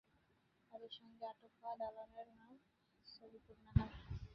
তাঁদের সঙ্গে আটক হওয়া দালালের নাম সাবিকুন্নাহার।